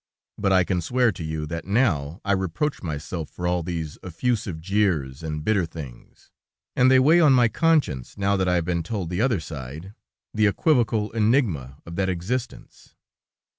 But I can swear to you that now I reproach myself for all these effusive jeers and bitter things, and they weigh on my conscience now that I have been told the other side, the equivocal enigma of that existence."